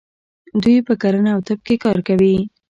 دوی په کرنه او طب کې کار کوي.